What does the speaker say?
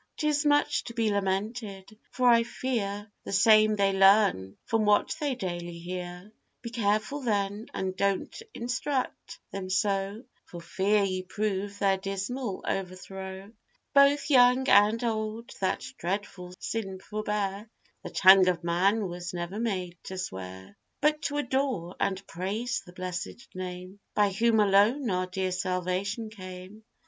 'Tis much to be lamented, for I fear The same they learn from what they daily hear; Be careful then, and don't instruct them so, For fear you prove their dismal overthrow. Both young and old, that dreadful sin forbear; The tongue of man was never made to swear, But to adore and praise the blessèd name, By whom alone our dear salvation came.